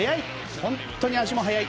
本当に足も速い。